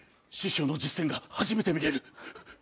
師匠の実戦が初めて見れる。